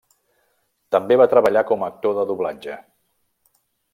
També va treballar com a actor de doblatge.